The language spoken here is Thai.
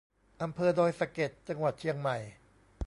อำเภอดอยสะเก็ด จังหวัดเชียงใหม่